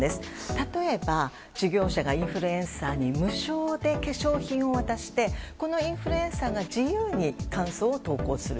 例えば、事業者がインフルエンサーに無償で化粧品を渡してこのインフルエンサーが自由に感想を投稿する。